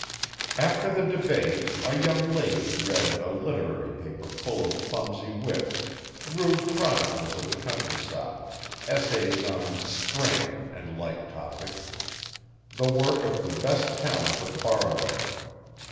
After the debate a young lady read a literary paper full of clumsy wit, rude chronicles of the countryside, essays on 'Spring', and like topics the work of the best talent of Faraway.